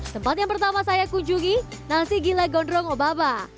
tempat yang pertama saya kunjungi nasi gila gondrong obaba